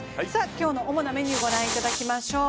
今日の主なメニュー御覧いただきましょう。